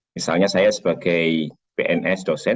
misalnya saya sebagai pns dosen